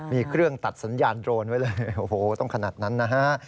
มีเครื่องตัดสัญญาณโดรนไว้เลยโอ้โหต้องขนาดนั้นนะฮะ